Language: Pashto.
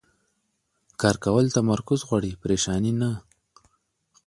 کار کول تمرکز غواړي، پریشاني نه.